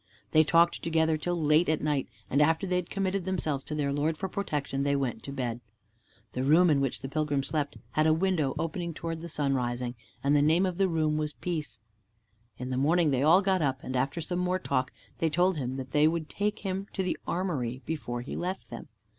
They talked together till late at night, and after they had committed themselves to their Lord for protection, they went to bed. The room in which the pilgrim slept had a window opening towards the sunrising, and the name of the room was Peace. In the morning they all got up, and after some more talk, they told him that they would take him to the armory before he left them.